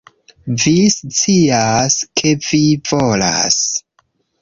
Vi scias, ke vi volas